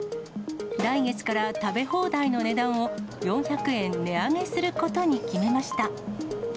来月から食べ放題の値段を４００円値上げすることに決めました。